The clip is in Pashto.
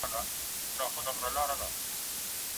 پښتون د زړه له تله له خپلې خاورې سره مینه لري.